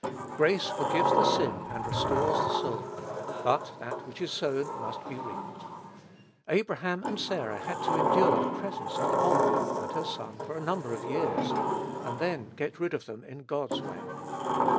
Grace forgives the sin and restores the soul, but that which is sown must be reaped. Abraham and Sarah had to endure the presence of the bond woman and her son for a number of years, and then get rid of them in God's way.